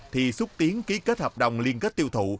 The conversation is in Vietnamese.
thì xúc tiến ký kết hợp đồng liên kết tiêu thụ